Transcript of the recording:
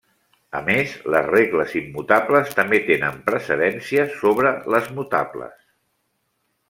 A més, les regles immutables també tenen precedència sobre les mutables.